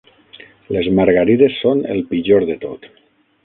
Les margarides són el pitjor de tot.